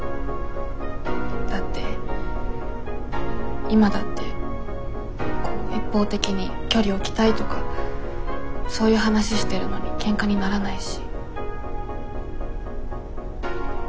だって今だってこう一方的に距離置きたいとかそういう話してるのにケンカにならないし。